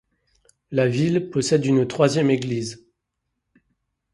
La ville possède une troisième église.